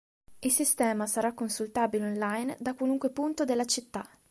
Il sistema sarà consultabile online da qualunque punto della città.